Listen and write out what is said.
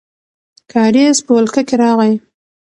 کارېز په ولکه کې راغی.